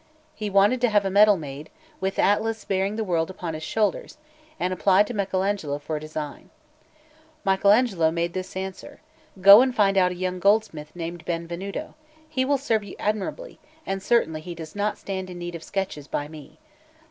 He wanted to have a medal made, with Atlas bearing the world upon his shoulders, and applied to Michel Agnolo for a design. Michel Agnolo made this answer: "Go and find out a young goldsmith named Benvenuto; he will serve you admirably, and certainly he does not stand in need of sketches by me.